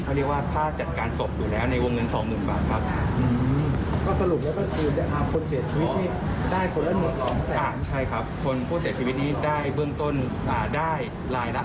เขาเรียกว่าค่าจัดการศพอยู่แล้วในวงเงิน๒๐๐๐บาทครับ